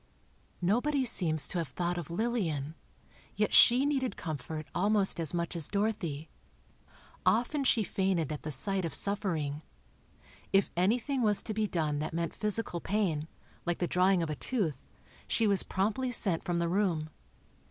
Nobody seems to have thought of Lillian; yet she needed comfort almost as much as Dorothy. Often she fainted at the sight of suffering. If anything was to be done that meant physical pain, like the drawing of a tooth, she was promptly sent from the room.